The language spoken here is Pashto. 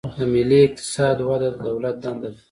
د ملي اقتصاد وده د دولت دنده ده.